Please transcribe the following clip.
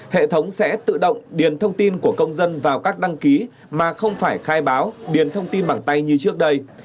hệ thống sẽ tự động điền thông tin của công dân vào các đăng ký mà không phải khai báo điền thông tin bằng tay như trước đây